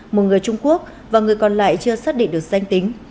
một người trung quốc và người còn lại chưa xác định được danh tính